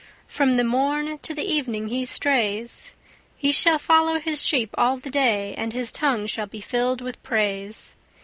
From the morn to the evening he strays; He shall follow his sheep all the day, And his tongue shall be fillèd with praise.